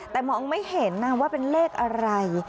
แต่มองไม่เห็นนะว่าเป็นเลขอะไร